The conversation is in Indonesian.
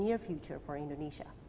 di masa depan untuk indonesia